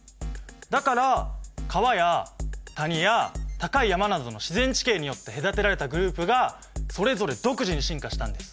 だから川や谷や高い山などの自然地形によって隔てられたグループがそれぞれ独自に進化したんです。